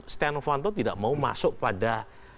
steno vanto tidak mau masuk pada